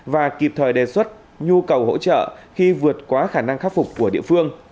và kịp thời đề xuất nhu cầu hỗ trợ khi vượt quá khả năng khắc phục của địa phương